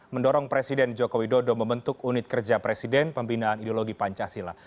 mendorong presiden joko widodo membentuk unit kerja presiden pembinaan ideologi pancasila